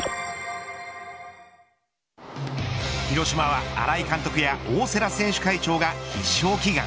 広島は新井監督や大瀬良選手会長が必勝祈願。